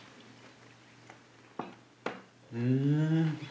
うん。